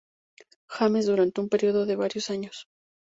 James durante un período de varios años.